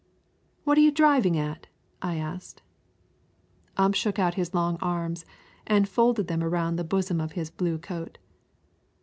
"What are you driving at?" I asked. Ump shook out his long arms and folded them around the bosom of his blue coat.